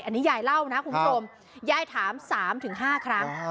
อันนี้ยายเล่านะคุณผู้ชมยายถาม๓๕ครั้ง